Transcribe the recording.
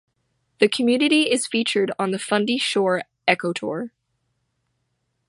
The community is featured on the Fundy Shore Ecotour.